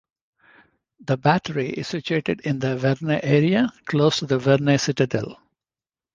The battery is situated in the Verne area, close to the Verne Citadel.